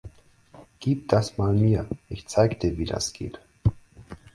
Gib das mal mir, ich zeig dir wie das geht